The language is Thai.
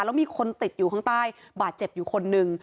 แล้วมีคนติดอยู่ข้างใต้บาดเจ็บอยู่คนนึง